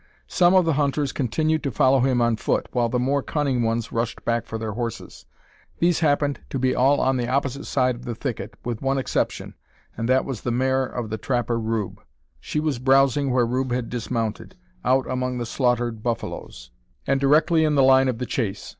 Some of the hunters continued to follow him on foot, while the more cunning ones rushed back for their horses. These happened to be all on the opposite side of the thicket, with one exception, and that was the mare of the trapper Rube. She was browsing where Rube had dismounted, out among the slaughtered buffaloes, and directly in the line of the chase.